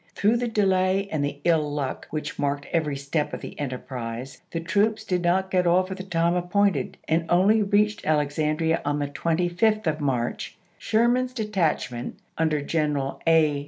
Through the delay and the ill luck which marked every step of the enterprise, the troops did not get off at the time appointed, and only reached Alexandria on the 25th of March. Sherman's de tachment, under General A.